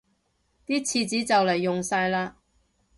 啲廁紙就黎用晒喇